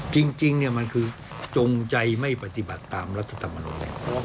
จริงมันคือจงใจไม่ปฏิบัติตามรัฐธรรมนูล